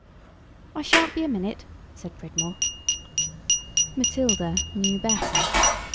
"I shan't be a minute," said Pridmore. Matilda knew better.